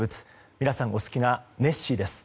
皆さんお好きなネッシーです。